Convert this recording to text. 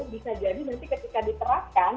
bisa jadi nanti ketika diterapkan